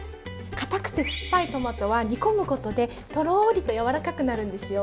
かたくて酸っぱいトマトは煮込むことでとろりとやわらかくなるんですよ。